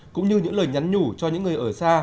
cũng như những lời nhắn nhủ cho những người ở xa